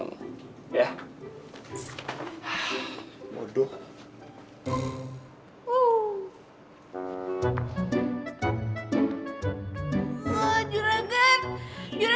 kamu t fierain aku ya